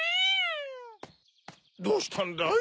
どうしたんだい？